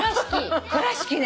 倉敷ね。